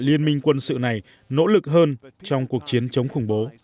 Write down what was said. liên minh quân sự này nỗ lực hơn trong cuộc chiến chống khủng bố